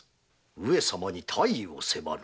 上様に退位を迫る？